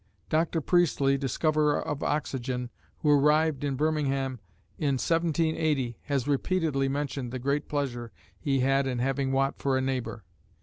Dr. Priestley, discoverer of oxygen, who arrived in Birmingham in 1780, has repeatedly mentioned the great pleasure he had in having Watt for a neighbor.